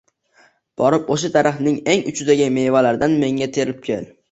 Borib oʻsha daraxtning eng uchidagi mevalardan menga terib kel